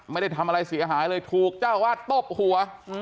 ไม่ได้ทำอะไรเสียหายเลยถูกเจ้าวาดตบหัว